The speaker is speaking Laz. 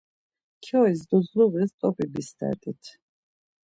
Kyoişi duzluğis t̆opi bistert̆it̆.